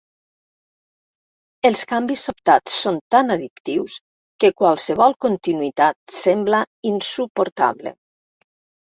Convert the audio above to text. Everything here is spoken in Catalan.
Els canvis sobtats són tan addictius que qualsevol continuïtat sembla insuportable.